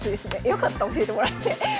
よかった教えてもらって。